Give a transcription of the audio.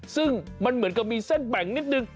ซึ่งมันเหมือนกับมีเส้นแบ่งนิดนึง